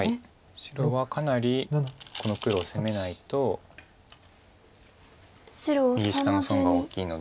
白はかなりこの黒を攻めないと右下の損が大きいので。